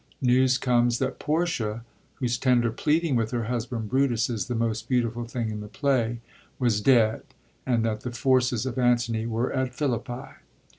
News comes that Portia — whose tender pleading with her husband Brutus is the most beautiful thing in the play— was dead, and that the forces of Antony were at Philippi.